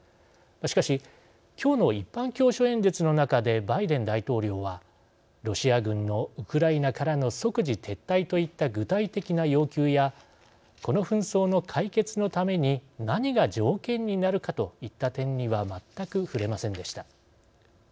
しかしきょうの一般教書演説の中でバイデン大統領はロシア軍のウクライナからの即時撤退といった具体的な要求やこの紛争の解決のために何が条件になるかといった点には全く触れませんでした。